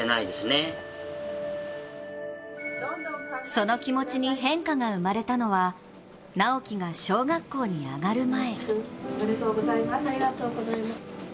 その気持ちに変化が生まれたのは直喜が小学校に上がる前。